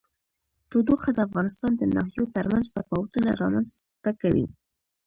تودوخه د افغانستان د ناحیو ترمنځ تفاوتونه رامنځ ته کوي.